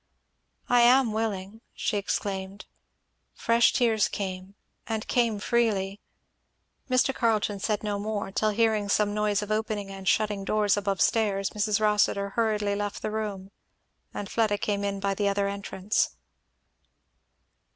"I am willing!" she exclaimed. Fresh tears came, and came freely. Mr. Carleton said no more, till hearing some noise of opening and shutting doors above stairs Mrs. Rossitur hurriedly left the room, and Fleda came in by the other entrance.